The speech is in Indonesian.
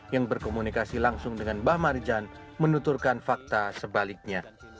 yang berkomunikasi langsung dengan mbah marijan menuturkan fakta sebaliknya